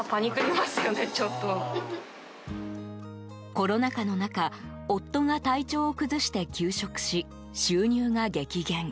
コロナ禍の中夫が体調を崩して休職し収入が激減。